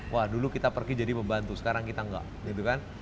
wah dulu kita pergi jadi pembantu sekarang kita enggak